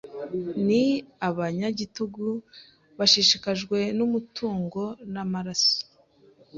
Ni abanyagitugu bashishikajwe n'umutungo n'amaraso